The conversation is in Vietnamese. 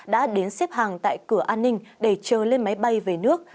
đã đến xếp hàng tại cửa an ninh để chờ lên máy bay về nước